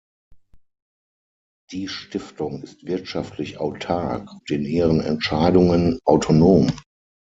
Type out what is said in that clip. Die Stiftung ist wirtschaftlich autark und in ihren Entscheidungen autonom.